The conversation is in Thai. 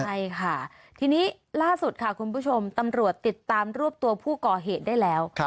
ใช่ค่ะทีนี้ล่าสุดค่ะคุณผู้ชมตำรวจติดตามรวบตัวผู้ก่อเหตุได้แล้ว